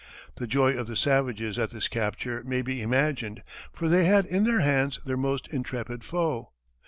The joy of the savages at this capture may be imagined, for they had in their hands their most intrepid foe.